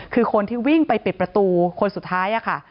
คือคนที่วิ่งไปปิดประตูคนสุดท้ายค่ะ